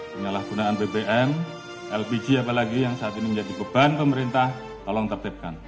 penyalahgunaan bbm lpg apalagi yang saat ini menjadi beban pemerintah tolong tertipkan